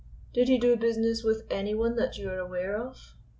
"Did he do business with any one that you are aware of?"